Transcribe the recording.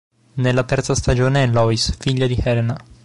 Nella terza stagione è Lois, figlia di Helena.